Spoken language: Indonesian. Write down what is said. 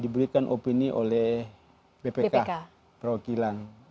diberikan opini oleh bpk perwakilan